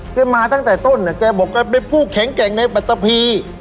ก็มาตั้งแต่ต้นนะแกบอกว่าเป็นผู้แข็งแกร่งในปฏิบัติภีร์